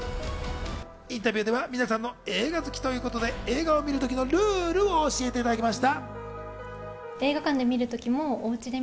インタビューでは皆さんの映画を好きということで映画見るときのルールを教えていただきました。